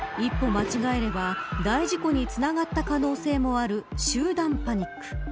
間違えれば大事故につながった可能性もある集団パニック。